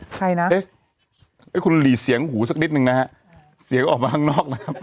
ใครนะคุณหลีดเสียงหูสักนิดนึงนะฮะเสียงออกมาข้างนอกนะครับ